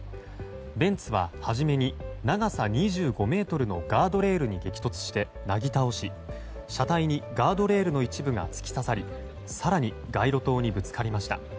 ベンツは初めに長さ２５ｍのガードレールに激突してなぎ倒し車体にガードレールの一部が突き刺さり更に街路灯にぶつかりました。